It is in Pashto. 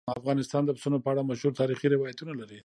افغانستان د پسونو په اړه مشهور تاریخي روایتونه لري.